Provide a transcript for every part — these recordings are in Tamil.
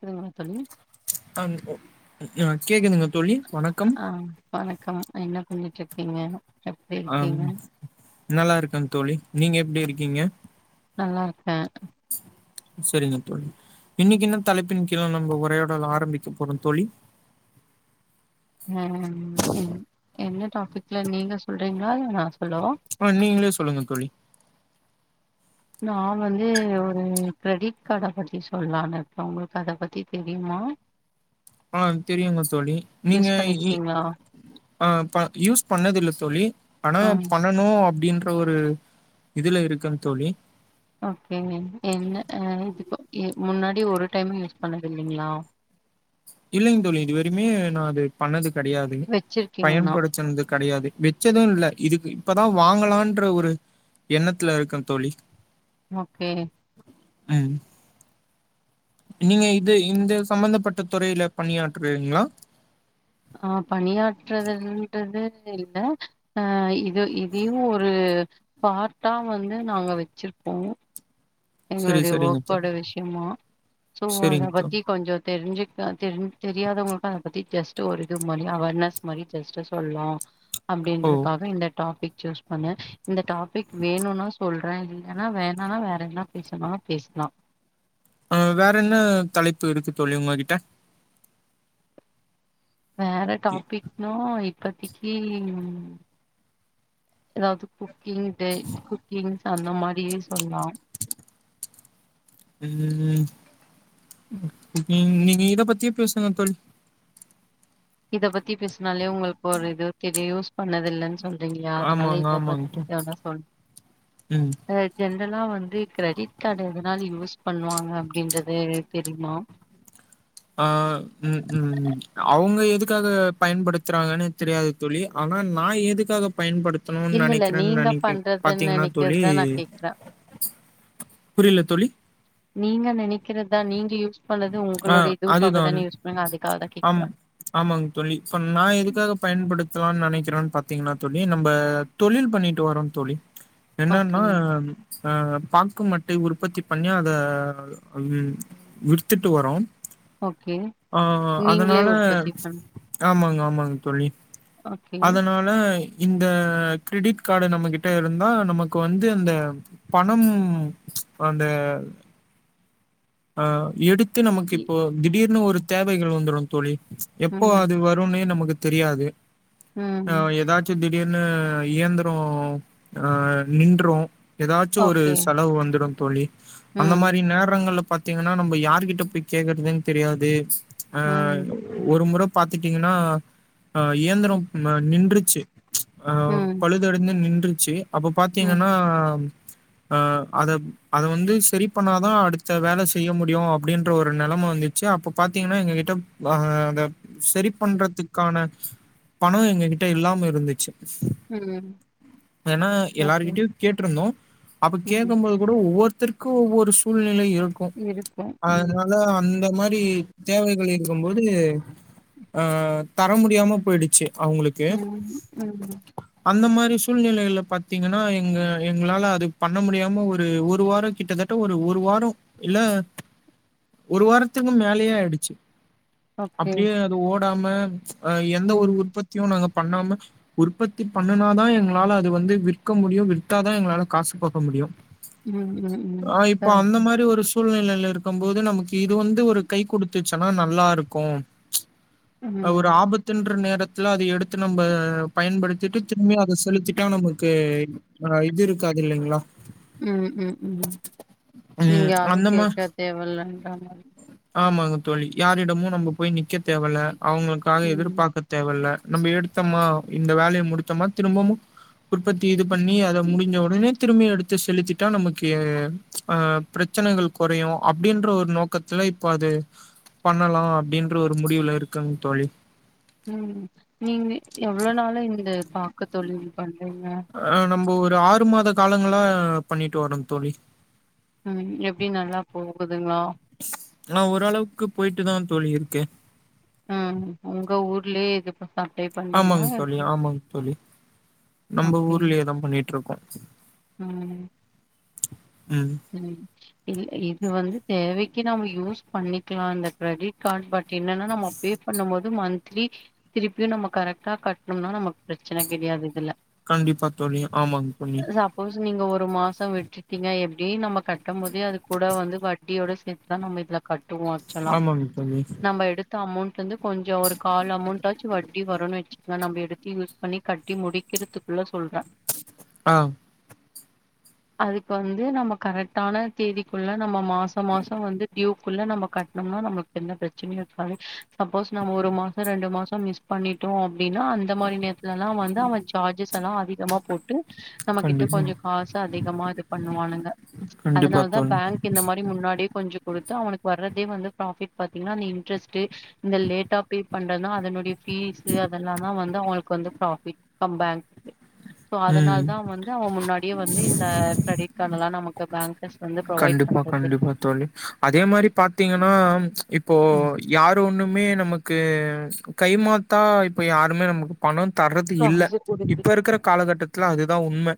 எதுங்க தோழி அ ஆஹ் கேக்குதுங்க தோழி வணக்கம் ஆஹ் வணக்கம் என்ன பண்ணிட்ருக்கீங்க ஆம் நல்லா இருக்கேங்க தோழி நீங்க எப்படி இருக்கீங்க நல்லா இருக்கே சரிங்க தோழி இன்னைக்கு என்ன தலைப்பின் கீழ நம்ம உரையாடல் ஆரம்பிக்க போறோ தோழி ஹம் என்ன டாபிக்ல நீங்க சொல்றீங்களோ அத நா சொன் ஆஹ் நீங்களே சொல்லுங்க தோழி நா வந்து ஒரு கிரெடிட் கார்டை பத்தி சொல்லலானு இருக்கே உங்களுக்கு அத பத்தி தெரியுமா ஆஹ் தெரியுங்க தோழி நீங்க யூஸ் இ பண்ணிருக்கீங்களா ஆஹ் ப யூஸ் பண்ணதுல்லதோழி ஆனா ஆ பண்ணணு அப்படின் ஒரு இதுல இருக்குன் தோழி ஓகே என்ன அஹ் இது முன்னாடி ஒரு டைம் யூஸ் பண்ணது இல்லைங்களா இல்லைங்க தோழி இதுவரைமே நா அது பண்ணதுக்கு கெடையாது வச்சிருக்கீங்க ஆனா பயன்படுத்தனதுக்கு கெடையாது வெச்சது இல்ல இதுக்கு இப்பதா வாங்கலான்ன்ற ஒரு எண்ணத்துல இருக்க தோழி ஓகே உஹம் நீங்க இது இந்த சம்பந்தப்பட்ட துறையில பணியாற்றீங்களா ஆஹ் பணியாற்றுறதுன்றது இல்ல ஆஹ் இதையு ஒரு பார்ட்டா வந்து நாங்க வச்சிருப்போ சரி எங்களுடைய சரிங்க ஒர்க்கோட தோழி விஷயமா சோ அத சரிங்க தோழி பத்தி கொஞ்சம் தெரிஞ்சு தா தெ தெரியாதவங்களுக்கு அத பத்தி ஜஸ்ட்ட் ஒரு இது மாரி அஃவெர்னஸ் மாரி ஜெஸ்ட் சொல்லலாம் ஓ அப்டின்றதுக்காக இந்த டாபிக் சூஸ் பண்ணு இந்த டாபிக் வேணும்னா சொல்றே இல்லன்னா வேணானா வேற என்னா பேசலா பேசலா அ வேற என்ன தலைப்பு இருக்கு தோழி உங்ககிட்ட வேற டாபிக்னு இப் இப்பத்திக்கி எதாவது குக்கிங்ன்டு குக்கிங் அந்த மாரியே சொல்லலாம் உம் நீ இத பத்திய பேசுங்கத் தோழி இத பத்தி பேசுனாலே உங்களுக்கு ஒரு இது தெரியு பண்ணதில்லனு சொ சொல்றீங்களா அதனால ஆமாங்க இத ஆமாங்க பத்தி தோழி தான ம் சொல்றே [unintelligible] இதல்லா வந் க்ரி ஃக்ரெடிட் கார்டு எதனாலு யூஸ் பண்ணுவாங்க அப்டின்றது தெரியுமா அ உம் உம் அவுங்க எதுக்காக பயன்படுத்துறாங்கன்னு தெரியாது தோழி ஆனா நா எதுக்காக பயன்படுத்தணும்னு இல்லல்ல நெனக்கிறேன்னு நீங்க நெனக்கே பண்றதுன்னு பாத்தீங்கன்னா தோழி நெனைக்கிறது தான் நான் கேக்குறேன். புரியல தோழி நீங்க நெனக்கிறதா நீங்கயும் ஆ அதுதாம் பண்ணுவீங்க. அதுக்காக தான் ஆம் கேக்குறேன். ஆமாங்க தோழி இப்ப நா எதுக்காக பயன்படுத்தலானு நெனைக்கிறன் பாத்தீங்கன்னா தோழி நம்ப தொழில் பண்ணிட்டு வரோந் தோழி ஓகே, என்னன்னா ஆ பாக்கு மட்டை உற்பத்தி பண்ணி அத ம் விரிச் த்துட்டு வரோம் ஓகே. ஆ நீங்களே அதனால உற்பத்தி பண் ஆமாங்க ஆமாங்க தோழி ஓகே. அதனால இந்த கிரெடிட் கார்டு நம்மகிட்ட இருந்தா நமக்கு வந்து அந்த பணம் அந்த ஆ எடுத் நமக்கு இ இப்போ திடீர்னு ஒரு தேவைகள் வந்துரும் தோழி எப்போ ம், அது வரும்னே நமக்கு தெரியாது ம். ஆ எதாச்சு திப் திடிர்னு இயந்துரோ அ நின்றுரு எதாச்சு ஒரு ஓகே. செலவு வந்துரும் தோழி அந்த ம், மாரி நேரங்கள்ல தீங்கனா நம்ப யாருகிட்ட போய் கேக்குறதுன் தெரியாது அ ம், ஒரு முற பாத்துட்டீங்கன்னா அ ஏந்துரம் ம நின்றுச்சு அ ம், பழுதடந்து நின்று சே அப்ப ம், பாத்தீங்கன்னா அ அத அத வந்து செரி பண்ணாதா அடுத்த வேல செய்ய முடியு அப்டின்ற ஒரு நெலம வந்துச்சு அப்போ பாத்தீங்கன்னா எங்க கிட்டப் வ அத செரி பண்றதுக்கான பணோ எங்க கிட்ட இல்லாம இருந்துச்சு ம். ஏனா ஓகே. எல்லாருகிட்டயு கேட்ருந்தோ அப்ப ம். கேட்கம்போது கூட ஒவ்வொர்த்ர் கு ஒரு சூழ்நிலை இருக் இருக்கும் ம் அதுனால அந்த மார் ரி தேவைகள் இருக்கும்போது அ அ தர முடியாம போய்டுச்சு அவுங்ளுக்கு ம் ம் அந்த மார் சூழ்நிலைல பாத்தீங்கனா எங்க எங்ளால அது பண்ண முடியாம ஒரு ஒரு வாரோ கிட்டத்தட்ட ஒரு ஒரு வாரோ இல்ல ஒரு வாரத்துக்கு மேலயே ஆயிடுச்சு ஓகே அப்டியே அது ஓட் காம அ எந்த ஒரு ம் உற்பத்தியு நாங்க பண்ணாம உற்பத்தி பண்ணுனாதா எங்ளால அது வந்து விற்க முடியு விர்த்தாதா எங்ளால காசு பாக்க முடியு ம் ம் ம் ஆ இப்ப அந்த கரெக்ட் மாரி ஒரு சு சூழ்நிலை இருக்கம்போது நமக்கு இது வந்து ஒரு கை குடுத்துச்சனா நல்லாருக்கு ம் அவுர் ஆபத்துன்று நேரத் துல அத எடுத்து நம்ப பயன்படுத்திட்டு திரும்பி அத செலுத்திட்டா நமக்கு அ இது இருக்காத இல்லைங்ளா ம் ம் ம் நீங் ம் யார்னு அந்த மா கேக்காத் தேவலன்ற மாரி ஆமாங்க தோழி யாரிடமு நம்ப போய் நிக்க தேவல அவுங்ளுக்காக ம் எதிர்பாக்க தேவல்ல நம்ப எடுத்தமா இந்த வேல்ய முடித்தமா திரும்பமு உற்பத்தி இது பண்ணி அத முடிஞ்ச உடனே திரும்பி எடுத்து செலுத்திட்டா நமக்கே ஆ ப்ரச்சனைகள் கொறையு அப்டின்ற ஒர் நோக்கத்துல இப்ப அது பண்ணலா அப்டின்ற ஒரு முடிவுல இருக்கங் தோழி ம் நீங்கு எவ்ளோ நாளு இந்த பாக்க தொழில் பண் ஆ நம் இப்ப ஒரு ஆறு மாத காலங்களா பண்ணிட்டு வரோ தோழி ம் எப்படி நல்லா போகுதுங்ளா ஆனா ஓரளவுக்கு போயிட்டுதா தோழி இருக்கு ம் உங்க ஊர்லயே இது ப ஆமாங் தோழி ஆமாங் தோழி நம்ப ஓகே ஊர்லயே தா பண்ணிட்ருக்கோ ம் ம் இல் இது வந்து தேவைக்கு நம்ம யூஸ் பண்ணிக்கலா இந்த க்ரெடிட் கார்ட் பட் என்னன்னா நம்ம பே பண்ணும் போது மந்த்லி திருப்பியு நம்ம கரெக்டா கட்ணும்னா நமக்கு பிரச்சன கெடையாது இதுல கண்டிப்பா தோழி ஆமாங்க தோழி சப்போஸ் நீங்க ஒரு மாசோ விட்டுடீங்க எப் ப்டி நம்ம கட்டம் போதே அது கூட வந்து வட்டியோட சேத்துதா நம்ம இதுல கட் டு வாச்சலா ஆமாங்க தோழி நம்ம எடுத்த அமோண்ட் வந்து கொஞ்சோ ஒரு கால் அமௌண்டாச்சு வட்டி வருன்னு வச்சுக்கலா நம்ம எடுத்து யூஸ் பண்ணி கட்டி முடிக்கிறதுக்குள்ள சொல்ற ஆ அதுக்கு வந்து நம்ம கரெக்டான தேதிக்குள்ள நம்ம மாச மாசோ வந்து ட்யூ குள்ள நம்ம கட்னம்னா நம்மக் எந்த ப்ரச்சனயு இருக்காது சப்போஸ் நம்ம ஒரு மாசோ ரெண்டு மாசோ மிஸ் பண்ணிட்டோ அப்டினா அந்த மாரி நேரத்லல்லா வந்து அவ சார்ஜஸ் எல்லா அதிகமா போட்டு நம்மகிட்ட கண்டிப்பா கொஞ்சோ காசு அதிகமா இது பண்ணுவானுங்க கண்டிப்பா அதனாலதா தோழி பேங்க் இந்த மாரி முன்னாடியே கொஞ்ச குடுத்து அவனுக்கு வரதே வந்து ப்ராஃபிட் பாத்திங்னா அந்த இன்ட்ரெஸ்ட் டு இந்த லேட்டா பே பண்றதுனா அதனுடைய ஃபீஸு அதெல்லாந்தா வந் து அவங்களுக்கு வந்து ப்ராஃபிட் பேங்குக்கு சோ ம் அதனாலதா வந்து அவ முன்னாடியே வந்து இந்த கிரெடிட் கார்டு எல்லா நமக்கு பேங்கர்ஸ் வந்து ப்ரொவைட் கண்டிப்பா பண்றது கண்டிப்பா தோழி அதே மாரி பாத்திங்கனா இப்போ ம். யார் ஒண்ணுமே நமக்கு கை மாத்தா இப்ப யாருமே நமக்கு பண தர்றது இல்ல காசு குடுத்து இப்ப இருக்கிற காலகட்டத் சுல அதுதா உண்ம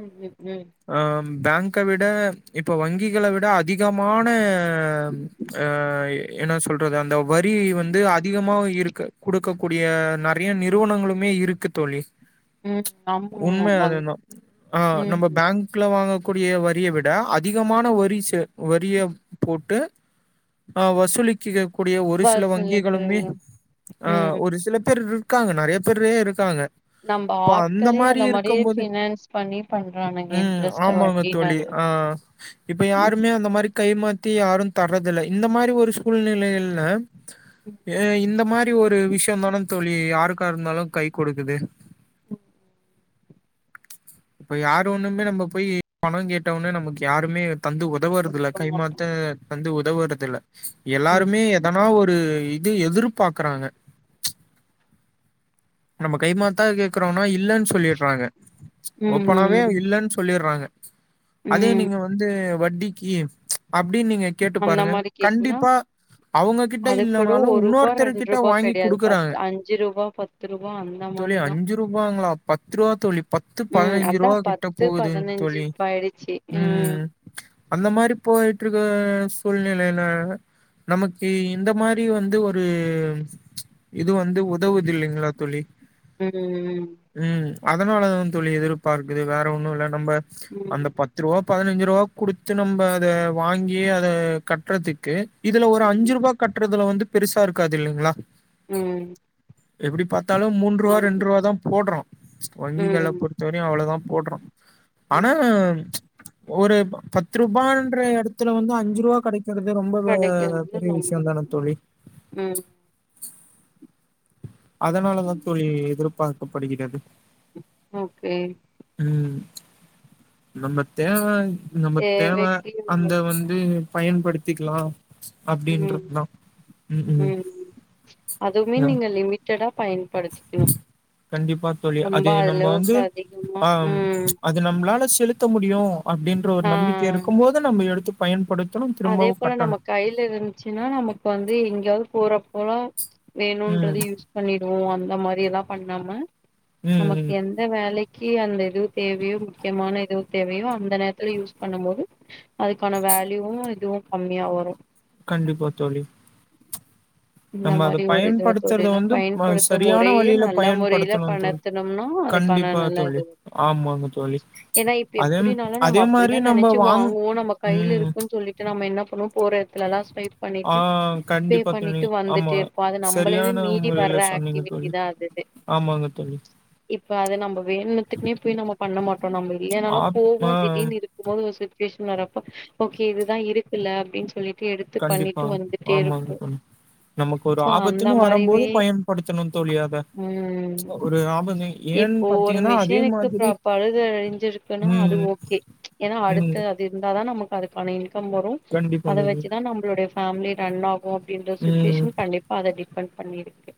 ம் ம் ம் அஹ் பேங்க விட இப்ப வங்கிகள விட அதிகமான என்ன சொல்றது அந்த வரி வந்து அதிகமா இருக்கு கொடுக்க கூடிய நெறைய நிறுவனங்களுமே இருக்கு தோழி ம் ஆமா உண்ம அது வாங் தான் ஆஹ் ம் நம்ம பேங்க்ல வாங்க கூடிய வரிய விட் அதிகமான வரிச வரிய போட்டு ஆஹ் வசூலிக்க கூடிய ஒரு சில வசூலிக்கு வங்கிகளுமே ஆஹ் ம் ஒரு சில பேர் இரு இருக்காங்க நெறைய பேர்ரே இருக்காங்க நம்ம இப்ப அந்த ஆட்களே மாரி அந்தமாரி இருக்கும் போது ஃபினான்ஸ் பண்ணி பண்றானுங்க ம் இன்ட்ரெஸ்ட ஆமாங்க வட்டி தோழி மாரியே ஆ இப்ப யாருமே அந்த மாரி கைமாத்தி யாரும் தர்றதுதில்ல இந்த மாரி ஒரு சூழ்நிலைல அஹ இந்த மாரி ஒரு விஷயோதான தோழி அக்கா இருந்தாலு கை கொடுக்குது உம் இப்ப யாரு ஒண்ணுமே நம்ம போய் பணம் கேட் நமக்கு யாருமே தந்து உதவுறதில்ல குடுக்க மாட்டோ கைமாத்த தந்து உதவுறது இல்ல ம் எல்லாருமே எதனா ஒரு எதிர்பார்க்குறாங்க நம்ம கைமாத்தா கேக்குறோனா இல்லன்னு சொல்லிறாங்க ம் ஓப்பனாவே ம் இல்லைன்னு சொல்லிறாங்க அதே ம் நீங்க வந்து வட் [unintelligible] அப்டின்னு நீங்க கேட்டு அந்த பாருங்க மாரி கேட்டீன்னா கண்டிப்பா அவுங்க கிட்ட அது கூட இல்லனாலும் ஒரு ரூபா இன்னொருத்தர்க் ரெண்டு கிட்ட ரூபா வாங்கி கெடையாது கொடுக்குறாங்க பத் அஞ்சு ரூபா பத்து ரூபா அந்த தோழி மாரிதா அஞ்சு ரூபாங்களா பத்து ரூவா தோழி பத்து ம் பதினைஞ்சு அதா ரூபா கிட்ட பத்து போகுதுங் பதினஞ்சு தோழி இப்ப ஆயிடுச்சு ம் உம் அந்த மாரி போயிட் இருக்க சூழ்நிலைல நமக்கு இந்த மாரி வந்து ஒரு இது வந்து உதவுது இல்லைங்களா தோழி ம் ம் அதனால தான் தோழி எதிர்பார்க்குது வேற ஒன்னு இல்ல நம்ம அந்த ம் பத்து ரூவா பதினஞ்சு ரூ ரூவா குடுத்து நம்ம அத வாங்கி அத கட்டுறதுக்கு இதுல ஒரு அஞ்சு ரூபா கட்டுறதுல வந்து பெருசா இருக்காது இல்லைங்களா ம் எப்படி பாத் பாத்தாலும் மூன்று ரூபா ஆமா ரெண்டு ரூபா தான் போட்றோம் வங்கிகளை ம் பொறுத்தவரையும் அவ்வளவுதான் போட்றோம் ம் ஆனா ஒரு பத்து ரூபான்ற எடத்துல வந்து அஞ்சு ரூபா கிடைக் கிடைக்குறது ரொம்ப கெடைக்கறது பெரிய ரொம்ப விஷயம் தானே தோழி ம் அதனாலதான் தோழி எதிர்பாரு ப்படிக்கது ஓகே ம் நம்ம தேவை நமக்கு தேவை தேவைக்கு அந்த வந்து பயன்படுத்திக்கலாம் ம் அப்படின்றதுதான் ம் அதுவுமே ஆ நீங்க லிமிட் டடா கண்டிப்பா தோழி ரொம்ப அது நம்ம வந்து அளவுக்கு அதிகமா ஆ ம் அது நம்பளால செலுத்த முடியு அப்டின்ற ஒர் ஆ நம்பிக்கே இருக்குமோது நம்ம எடுத்து பயன்படுத் அதே போல நம்மோ கைல இருந்ச்சுனா நமக் வந்து எங்யாவ் போறப்போலா ம் வேணுன்றது யூஸ் பண்ணிடுவோ அந் இந்த மாரியெல்லா பண்ணாம ம் நமக் ம் எந்த வேலை கிய அந்த இது தேவுயோ முக்கியமான எது தேவையோ அந்த நேர்த்துல யூஸ் பண்ணும்போது அதுக்கான வேல் ஊ இதுவு கம்மியா வரு கண்டிப்பா தோழி இன்ன நம்ம அத மாரி ஒரு இது பயன்படுத்துறத தொழிலு வந்து ம பயின்படுத்த சரியான முறையே வழியில நல்லா முறையில பயன்படுத்தணு தோழி. பணத்துனும்னா அதுக்கான கண்டிப்பா நல்ல தோழி. இது ஆமாங்க தோழி. ஏனா இப் அதே ம் எப்புடினாலும் நம்ம அதே மாரி அப்புடிதான் நம்ம நெனச்சு வாங் வாங்குவோ நம்மோ கைல ம் இருக்குன் சொல்லிட்டு நம்ம என்ன பண்ணுவோம் போற எட்த்துலலா ஸ்வைப் ஆ பண்ணிட்டு பே கண்டிப்பா பண்ணி தோழி. ஆமா. வந்துட்டேர்ப்போ அது நம்புளேவே சரியான மீறி வர்ற முறையில சொன்னீங்க ஆக்டிவிட்டி தோழி. தா அதுக்கு ஆமாங்க தோழி. இப்ப அத நம்போ வேணுனுத்துக்மே போய் நம்மோ பண்ண மாட்டோ நம்ம இல்லேனாலு ஆப் போவோ ஆ திடீர்னு இருக்குமோது சிட் சுவேஷன் வறப்போ ஓகே இதுதான் இருக்குல்ல அப்டின் சொல்லி எடுத்து கண்டிப்பா. பண்ணிட்டு வந்துட்டே ஆமாங்க இருப்போ தோழி. நமக்கு ஒரு பா அந்த ஆபத்துன்னு வரம்போது மாரியவே பயன்படுத்தணு தோழி அத. உம் ஒரு ஆபத்து ஏன்னு இப்போ ஒரு பாத்தீங்கன்னா அதே மிஷினுக்கு ப்ரா மாதிரி பழுதடைஞ்சிருக்குனா அது ம் ஓகே ச் ஏனா அடுத்து ம் அது இருந்தா தா நமக்கு அதுக்கான இன்க் கம் வரும் கண்டிப்பா அத தோழி. வச்சுதான் நம்ளுடைய ஃபேமிலி ரன் ஆகு அப்டின்ற ஸ்சு ம் சுவேஷன் கண்டிப்பா அத டிப்பன் பண்ணி இருக்கு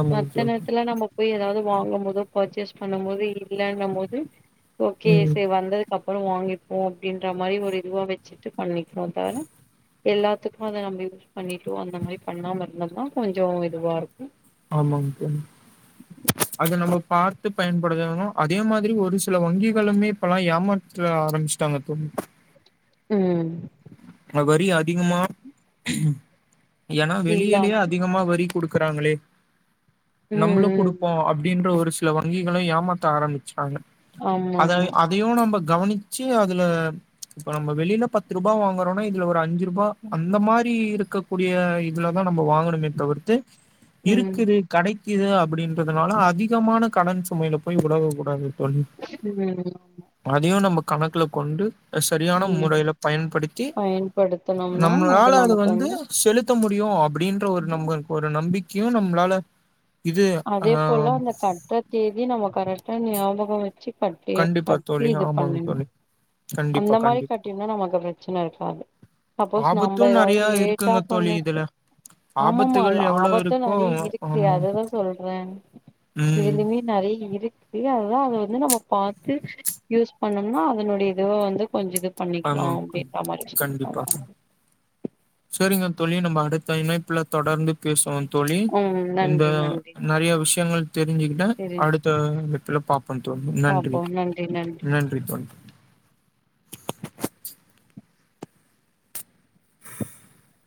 ஆமாங்க மத்த தோழி. நேரத்துல நம்ம போய் ஏதாவது வாங்கம் போதோ பர்ச்சேஸ் பண்ணும் போது இல்லன்னபோது ஓகே ம். சே வந்தது கப்பறோ வாங்கிப்போ அப்டின்ற மாரி ஒரு இதுவா வச்சுட்டு பண்ணிக்றோ தவர எல்லாத்துக்கும் அத நம்ம யூஸ் பண்ணிட்டோ அந்த மாரி பண்ணாம இருந்தோம்னா கொஞ்சோ இதுவா இருக்கு ஆமாங் தோழி இத நம்மோ பாத்து பயன்படுதணு அதே மாதிரி ஒரு சில வங்கிகளுமே இப்பல்லா ஏமாற்ற ஆரமிஸ்ட்டாங்க தோழி உம் அஹ் வரி அதிகமா ஏனா இல்லாம் வெளியேலயே அதிகமா வரி குடுக்கறாங்களே ம் நம்பளு ம் குடுப்போ அப்டின்ற ஒரு சில வங்கிகளு ஏமாத்த ஆரமிச்சுடாங்க ஆமா அதல் ஆமா அதையு நம்ப கவனிச்சு அதுல இப்ப நம்ம வெளில பத்து ரூபா வாங்க றோனா இதுல ஒரு அஞ்சு ருபா அந்த மாரி இருக் இருக்கக் கூடிய இதுல தான் நம்ம வாங்கணுமே தவிர்த்து ம் இருக்குது கடைக் கிது அப்டின்றதுனால அதிகமான கடன் சுமையில போய் விடவும் கூடாது டொன் ம் அதையும் நமக் கணக்குல கொண்டு சரியான முறையில பயன்படுத்தி பயன்படுத்தனும்னா அது நமக்கு வந்து டியு அப்டின்ற ஒரு நம்பளுக்கு ஒரு நம்பிக் கையும் நம்பலால அதே போல அந்த கற்ற தேதி நம்ம கரெக் டா ஞாபகம் வ ச்சு கட்டி கண்டிப்பா கட்டி தோழி இது ஆமாங்க பண்ணனும் தோழி கண்டிப்பா அந்த மாரி கண்டிப்பா கட்டினா நமக்கு பிரச்சனை இருக்காது சப்போஸ் ஆபத்து நம்ம ஏதாவது நெறையா லேட்டா இருக்குங்க தோழி பண்ணிருக்கு இதுல ஆமாமா ஆபத்துகள் எவ்ளோ ஆபத்து இருக்கோ நெறைய இருக்கு ஆமா அததான் சொல்றேன் ம் இதுலயுமே நெறைய இருக் [unintelligible] அத வந்து நம்ம பாத்து யூஸ் பண்ணோம்னா அதனுடைய இதுவ வந்து கொஞ்சே இது பண்ணிக்கலா ஆமாங்க தோழி அப்டின்ற மாரி சொல்றாங்க கண்டிப்பா தேழி நம்ம அடுத்த இனைப்ல தொடர்ந்து பேசுவே தோழி ம் இந்த நன்றி நன்றி நறைய விஷயங்கள் தெரிஞ்சுக்கிட்டே தெரிஞ்சு அடுத்த க்கல்ல பாப் போ தோழி நன்றி நன்றி தோழி [unintelligible]